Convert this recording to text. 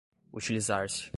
utilizar-se